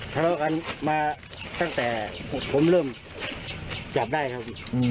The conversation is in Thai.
ทะเลาะกันมาตั้งแต่ผมเริ่มจับได้ครับ